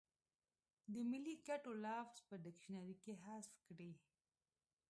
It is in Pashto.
د ملي ګټو لفظ په ډکشنري کې حذف کړي.